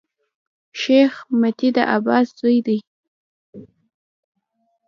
شېخ متي د عباس زوی دﺉ.